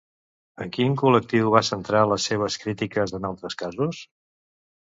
En quin col·lectiu va centrar les seves crítiques en altres casos?